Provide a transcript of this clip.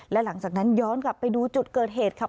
และหลังจากนั้นย้อนกลับไปดูจุดเกิดเหตุค่ะ